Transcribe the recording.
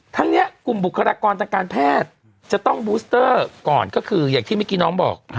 ทั้งนี้กลุ่มบุกรากรตรัการแพทย์จะต้องบูสเตอร์ก่อน